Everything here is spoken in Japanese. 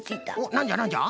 なんじゃなんじゃ？